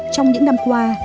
trong những năm qua